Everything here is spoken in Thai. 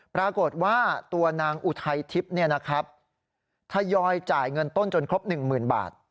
ปรากฏว่าตัวนางอุทัยทิพย์ทยอยจ่ายเงินต้นจนครบ๑๐๐๐บาท